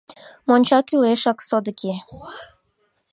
— Монча кӱлешак содыки.